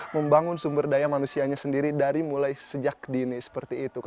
membangun sumber daya manusianya sendiri dari mulai sejak dini seperti itu